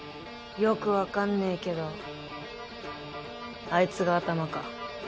よくわかんねえけどあいつがアタマか。